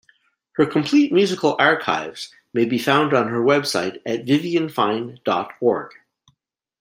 Her complete musical archives may be found on her website at vivianfine dot org.